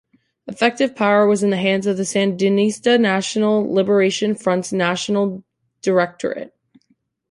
Effective power was in the hands of the Sandinista National Liberation Front's National Directorate.